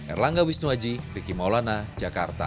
erlangga wisnuwaji rikim maulana jakarta